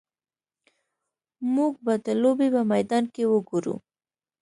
موږ به د لوبې په میدان کې وګورو